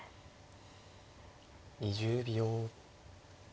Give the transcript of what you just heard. ２０秒。